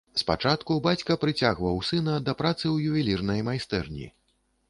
Спачатку бацька прыцягваў сына да працы ў ювелірнай майстэрні.